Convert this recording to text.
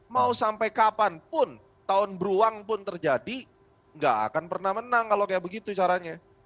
mau sampai kapanpun tahun beruang pun terjadi nggak akan pernah menang kalau kayak begitu caranya